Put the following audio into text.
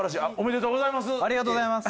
ありがとうございます。